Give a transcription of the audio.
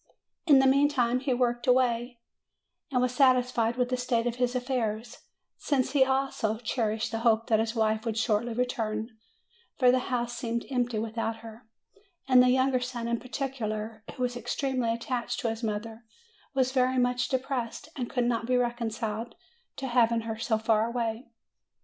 In the meantime, he worked away and was satisfied with the state of his affairs, since he also cherished the hope that his wife would shortly return; for the house seemed empty without her, and the younger son in particular, who was extremely attached to his mother, was very much depressed, and could not be reconciled to hav ing her so far away.